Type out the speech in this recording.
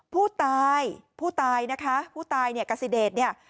ผู้ตายผู้ตายนะคะผู้ตายเนี่ยกาซิเดชเนี่ย